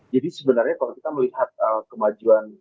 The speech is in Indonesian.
jadi sebenarnya kalau kita melihat kemajuan